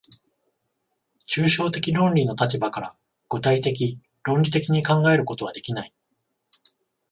抽象的論理の立場から具体的論理的に考えることはできない。